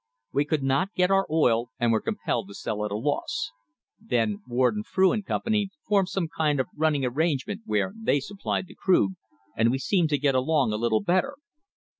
We could not get our oil and were compelled to sell at a loss. Then Warden, Frew and Company formed some kind of running arrangement where they supplied the crude, and we seemed to get' along a little better.